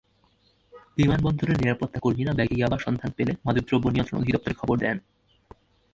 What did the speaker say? বিমানবন্দরের নিরাপত্তাকর্মীরা ব্যাগে ইয়াবার সন্ধান পেলে মাদকদ্রব্য নিয়ন্ত্রণ অধিদপ্তরে খবর দেন।